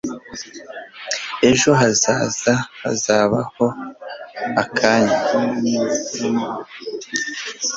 ejo hazaza hazabaho akanya